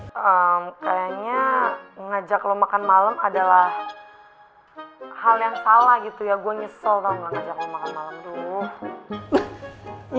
eemm kayaknya ngajak lo makan malem adalah hal yang salah gitu ya gue nyesel tau ga ngajak lo makan malem dulu